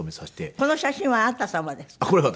この写真はあなた様ですか？